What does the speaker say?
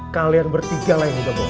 kalian bertigalah yang udah bohong